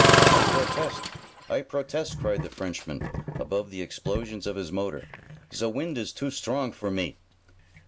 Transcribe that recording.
"I protest! I protest!" cried the Frenchman, above the explosions of his motor. "Ze wind is too strong for me!"